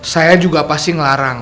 saya juga pasti ngelarang